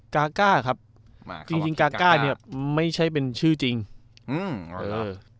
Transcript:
กาก้าครับมาจริงจริงกาก้าเนี้ยไม่ใช่เป็นชื่อจริงอืมเออ